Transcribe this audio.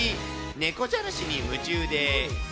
猫じゃらしに夢中で。